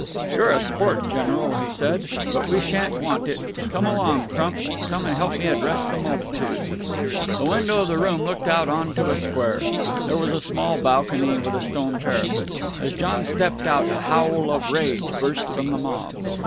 "You're a sport, General," he said, "but we sha'n't want it. Come along, Crump. Come and help me address the multitude." The window of the room looked out on to a square. There was a small balcony with a stone parapet. As John stepped out, a howl of rage burst from the mob.